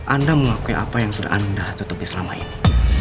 anda mengakui apa yang sudah anda tutupi selama ini